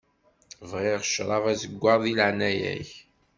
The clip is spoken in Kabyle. Bɣiɣ ccṛab azeggaɣ di leɛnaya-k.